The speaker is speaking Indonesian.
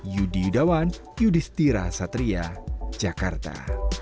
yudi yudawan yudhistira satria jakarta